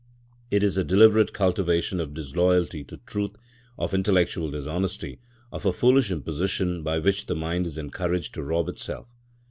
It is a deliberate cultivation of disloyalty to truth, of intellectual dishonesty, of a foolish imposition by which the mind is encouraged to rob itself.